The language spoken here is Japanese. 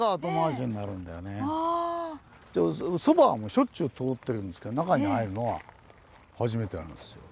そばはしょっちゅう通ってるんですけど中に入るのは初めてなんですよ。